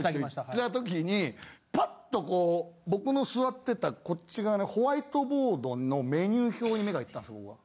行った時にパッとこう僕の座ってたこっち側のホワイトボードのメニュー表に目がいったんです僕は。